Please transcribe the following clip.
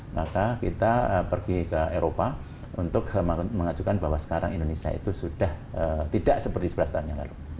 maka kita pergi ke eropa untuk mengajukan bahwa sekarang indonesia itu sudah tidak seperti sebelas tahun yang lalu